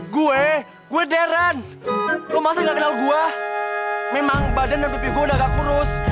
gue gue deren lo masa gak kenal gue memang badan dan pipi gue udah agak kurus